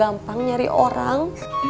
cucu itu pengen bisa nyari orang